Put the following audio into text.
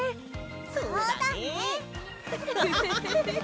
そうだね！